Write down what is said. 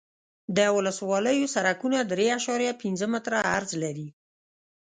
د ولسوالیو سرکونه درې اعشاریه پنځه متره عرض لري